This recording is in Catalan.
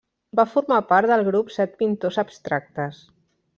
Va formar part del grup Set Pintors Abstractes.